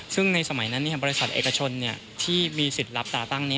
ซึ่งในสมัยนั้นบริษัทเอกชนที่มีสิทธิ์รับตาตั้งนี้